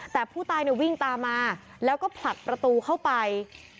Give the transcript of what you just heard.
แต่ผู้ตายวิ่งตามมาแล้วก็ผลักประตูเข้าไป